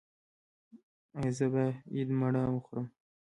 ایا زه باید مڼه وخورم؟